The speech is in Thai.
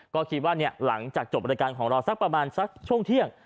ก็คิดว่าหลังจากจบรายการของเราสักประมาณสักช่วงเที่ยง